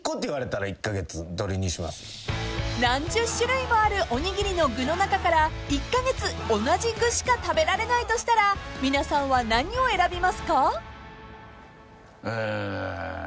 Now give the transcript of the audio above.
［何十種類もあるおにぎりの具の中から１カ月同じ具しか食べられないとしたら皆さんは何を選びますか？］